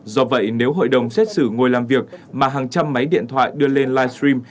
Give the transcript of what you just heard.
do vậy nếu hội đồng xét xử ngôi làm việc mà hàng trăm máy điện thoại đưa lên live stream